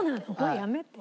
やめてよ。